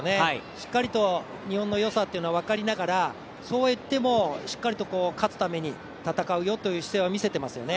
しっかりと日本のよさというのは分かりながらそういっても、しっかりと勝つために戦うよという姿勢を見せていますよね。